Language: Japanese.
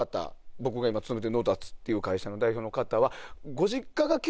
僕が勤めているノウタスっていう会社の代表の方は。